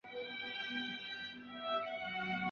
威远华溪蟹为溪蟹科华溪蟹属的动物。